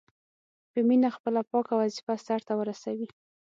په مینه خپله پاکه وظیفه سرته ورسوي.